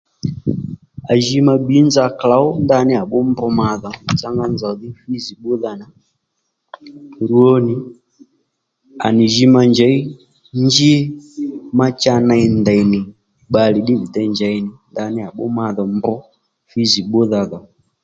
À ji ma bbǐy nza klǒw à bbú mb ma dhò màtsánga nzòw dhí fízì bbúdha nà rwo nì à nì ji ma njěy njí ma cha ney ndèy nì bbalè ddí vì dey njèy nì ndaní à bbú ma dhò mb fízì bbúdha dhò